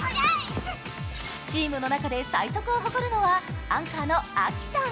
チームの中で最速を誇るのはアンカーのＡｋｉさん。